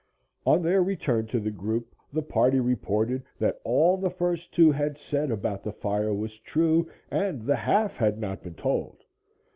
On their return to the group, the party reported that all the first two had said about the fire was true and the half had not been told.